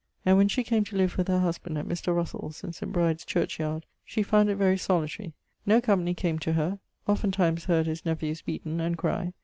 And when she came to live with her husband, at Mr. Russell's, in St. Bride's churchyard, she found it very solitary; no company came to her; oftentimes heard his nephews beaten and cry.